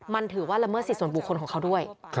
มันถือว่าละเมิดสิทธิส่วนบุคคลของเขาด้วย